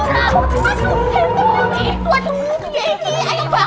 gak usah ditangkep